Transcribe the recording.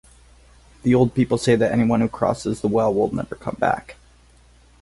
The old people say that anyone who crosses the well will never come back.